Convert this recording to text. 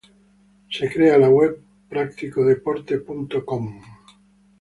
Se crea la web practicodeporte.com.